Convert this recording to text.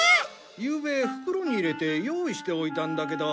ゆうべ袋に入れて用意しておいたんだけど。